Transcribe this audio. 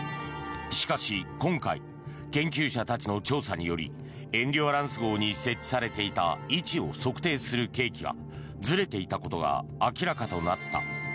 しかし、今回研究者たちの調査により「エンデュアランス号」に設置されていた位置を測定する計器がずれていたことが明らかとなった。